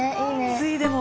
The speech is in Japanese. ついでも。